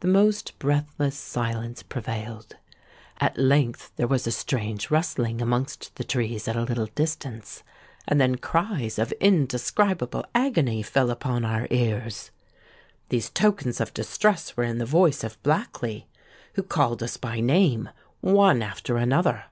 The most breathless silence prevailed. At length there was a strange rustling amongst the trees at a little distance; and then cries of indescribable agony fell upon our ears. These tokens of distress were in the voice of Blackley, who called us by name, one after another.